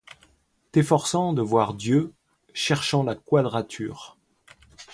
T’efforçant de voir Dieu, cherchant la quadrature